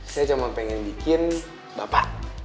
saya cuma pengen bikin bapak